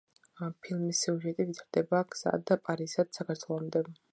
ფილმის სიუჟეტი ვითარდება გზად პარიზიდან საქართველომდე.